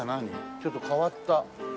ちょっと変わった。